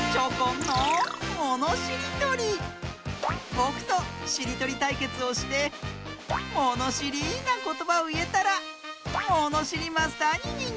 ぼくとしりとりたいけつをしてものしりなことばをいえたらものしりマスターににんてい！